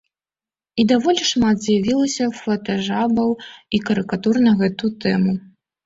І даволі шмат з'явілася фотажабаў і карыкатур на гэту тэму.